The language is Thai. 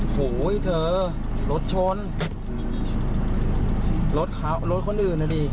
โหยเธอรถชนรถเขารถคนอื่นน่ะดิ